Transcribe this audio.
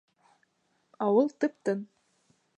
Ауыл тып-тын.